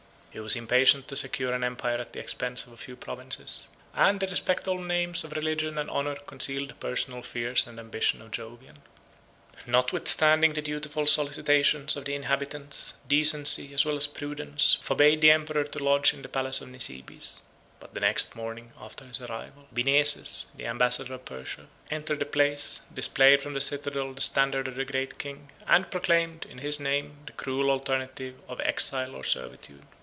He was impatient to secure an empire at the expense of a few provinces; and the respectable names of religion and honor concealed the personal fears and ambition of Jovian. Notwithstanding the dutiful solicitations of the inhabitants, decency, as well as prudence, forbade the emperor to lodge in the palace of Nisibis; but the next morning after his arrival, Bineses, the ambassador of Persia, entered the place, displayed from the citadel the standard of the Great King, and proclaimed, in his name, the cruel alternative of exile or servitude.